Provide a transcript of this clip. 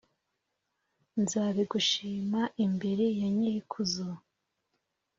Nzabigushima imbere ya nyirikuzo